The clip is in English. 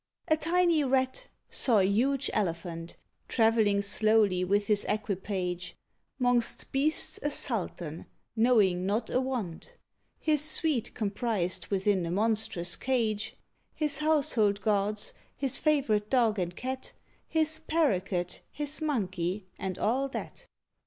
A tiny Rat saw a huge Elephant Travelling slowly with his equipage; 'Mongst beasts a sultan, knowing not a want. His suite comprised within a monstrous cage [Illustration: THE RAT AND THE ELEPHANT.] His household gods, his favourite dog and cat, His parroquet, his monkey, and all that.